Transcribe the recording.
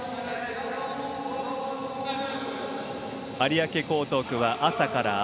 有明、江東区は朝から雨。